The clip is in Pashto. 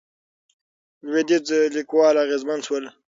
لوېدیځ لیکوال اغېزمن شول.